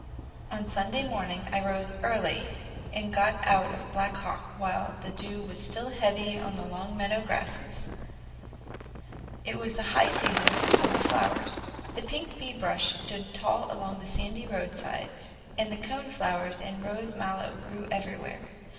On Sunday morning I rose early and got out of Black Hawk while the dew was still heavy on the long meadow grasses. It was the high season for summer flowers. The pink bee bush stood tall along the sandy roadsides, and the cone flowers and rose mallow grew everywhere.